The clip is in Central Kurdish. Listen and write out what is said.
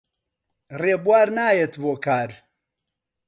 ڕێبوار نایەت بۆ کار.